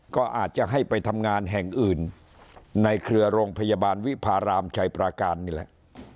ก็อาจจะให้ไปทำงานแห่งอื่นในเครือโรงพยาบาลวิพารามชัยปราการนี่แหละ